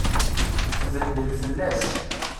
Tbeddel fell-as.